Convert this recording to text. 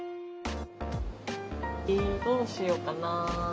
えどうしようかな。